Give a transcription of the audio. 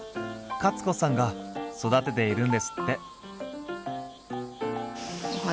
カツ子さんが育てているんですって。